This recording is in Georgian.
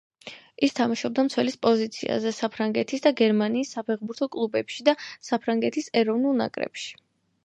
ის თამაშობდა მცველის პოზიციაზე საფრანგეთის და გერმანიის საფეხბურთო კლუბებში და საფრანგეთის ეროვნულ ნაკრებში.